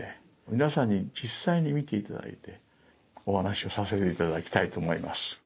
皆さんに実際に見ていただいてお話をさせていただきたいと思います。